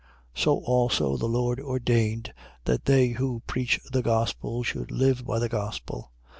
9:14. So also the Lord ordained that they who preach the gospel should live by the gospel.